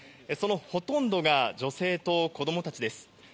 そのほとんどが女性と子供たちです。